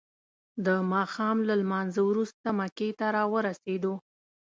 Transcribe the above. د ماښام له لمانځه وروسته مکې ته راورسیدو.